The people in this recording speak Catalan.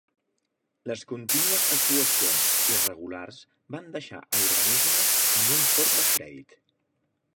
Les contínues actuacions irregulars van deixar a l'organisme amb un fort descrèdit.